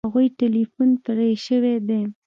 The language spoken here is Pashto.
د هغوی ټیلیفون پرې شوی دی